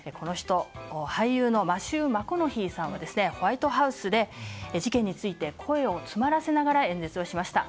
俳優のマシュー・マコノヒーさんはホワイトハウスで、事件について声を詰まらせながら演説しました。